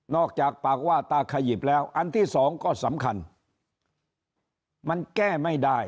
จากปากว่าตาขยิบแล้วอันที่สองก็สำคัญมันแก้ไม่ได้